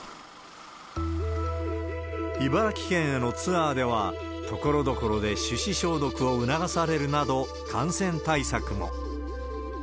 茨城県へのツアーでは、ところどころで手指消毒を促されるなど、感染対策も。